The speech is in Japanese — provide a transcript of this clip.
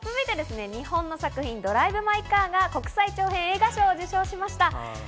続いてですね、日本の作品『ドライブ・マイ・カー』が国際長編映画賞を受賞しました。